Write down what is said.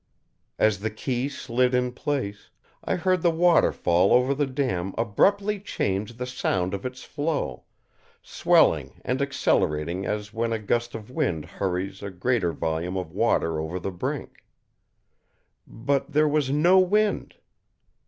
As the key slid in place, I heard the waterfall over the dam abruptly change the sound of its flow, swelling and accelerating as when a gust of wind hurries a greater volume of water over the brink. But there was no wind.